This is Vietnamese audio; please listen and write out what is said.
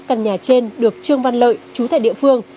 căn nhà trên được trương văn lợi chú tại địa phương